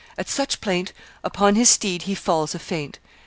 At such plaint, Upon his steed he falls a faint.